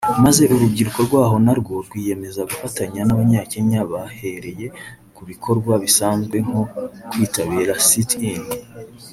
maze urubyiruko rwaho na rwo rwiyemeza gufatanya n’Abanyakenya bahereye ku bikorwa bisanzwe nko kwitabira sit- in